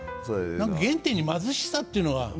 何か原点に貧しさっていうのがありますね。